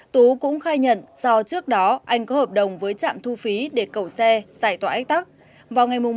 tú cũng khai nhận do trước đó anh có hợp đồng với trạm thu phí